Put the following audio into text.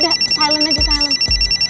udah silent aja silent